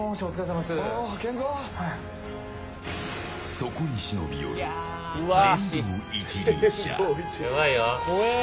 そこに忍び寄る電動一輪車。